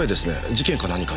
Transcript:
事件か何かで？